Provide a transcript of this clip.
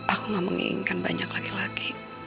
aku gak menginginkan banyak laki laki